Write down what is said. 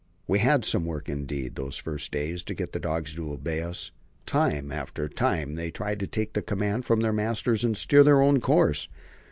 We had some work indeed, those first days, to get the dogs to obey us. Time after time they tried to take the command from their masters and steer their own course.